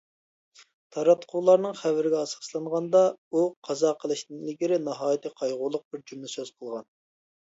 تاراتقۇلارنىڭ خەۋىرىگە ئاساسلانغاندا، ئۇ قازا قىلىشتىن ئىلگىرى ناھايىتى قايغۇلۇق بىر جۈملە سۆز قىلغان.